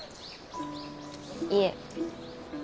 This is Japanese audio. いえ。